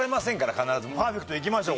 必ずパーフェクトいきましょう。